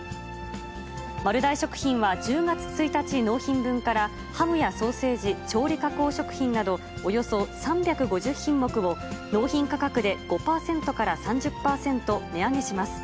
丸大食品は１０月１日納品分から、ハムやソーセージ、調理加工食品など、およそ３５０品目を、納品価格で５％から３０％値上げします。